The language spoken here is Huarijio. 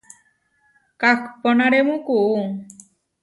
Kahponarému kuú.